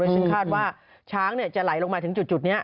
ซึ่งคาดว่าช้างจะไหลลงมาถึงจุดนี้